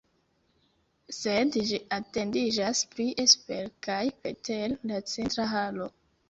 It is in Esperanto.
Sed ĝi etendiĝas plie super kaj preter la centra halo.